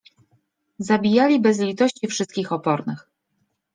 Zabijali bez litości wszystkich opornych.